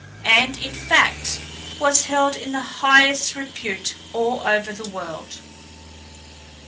and, in fact, was held in the highest repute all over the world.